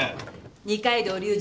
二階堂隆二